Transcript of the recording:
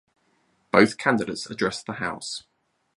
Both candidates addressed the House.